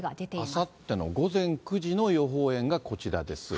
あさっての午前９時の予報円がこちらです。